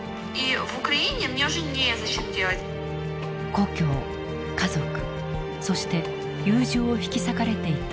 故郷家族そして友情を引き裂かれていった子どもたち。